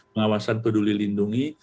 pengawasan yang diperlukan oleh penduli lindungi